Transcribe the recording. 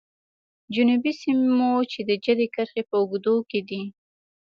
جنوبي سیمو چې د جدي کرښې په اوږدو کې دي.